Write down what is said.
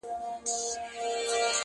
سپرلی ټینکه وعده وکړي چي را ځمه,